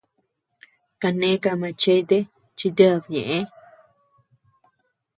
Kane ka machete chi ted ñeʼë.